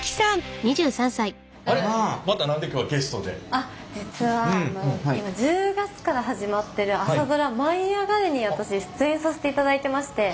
あっ実は今１０月から始まってる朝ドラ「舞いあがれ！」に私出演させていただいてまして。